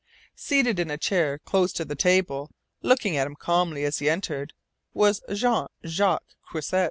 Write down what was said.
Seated in a chair close to the table, looking at him calmly as he entered, was Jean Jacques Croisset!